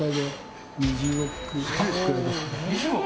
２０億？